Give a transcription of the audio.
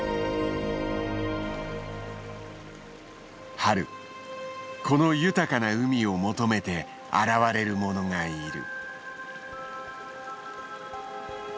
春この豊かな海を求めて現れるものがいる。